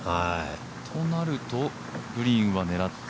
となると、グリーンは狙って？